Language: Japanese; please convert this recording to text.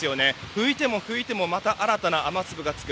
拭いても拭いてもまた新たな雨粒がつく。